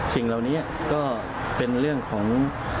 สิ่งเหล่านี้ก็เป็นเรื่องของ